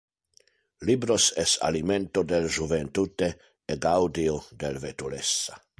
Libros es alimento del juventute e gaudio del vetulessa.